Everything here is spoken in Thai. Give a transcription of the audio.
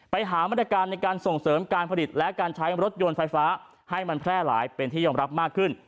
ไปหามาตรการในการส่งเสริมการผลิตและการใช้รถยนต์ไฟฟ้าให้มันแพร่หลายเป็นที่ยอมรับมากขึ้น